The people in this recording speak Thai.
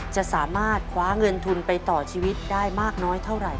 จะสามารถคว้าเงินทุนไปต่อชีวิตได้มากน้อยเท่าไหร่